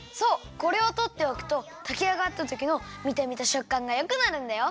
これをとっておくとたきあがったときのみためとしょっかんがよくなるんだよ！